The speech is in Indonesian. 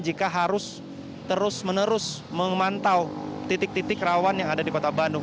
jika harus terus menerus memantau titik titik rawan yang ada di kota bandung